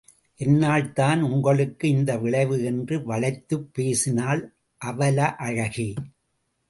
என்னால் தான் உங்களுக்கு இந்த விளைவு என்று வளைத்துப் பேசினாள் அவல அழகி.